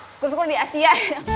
syukur syukur di asia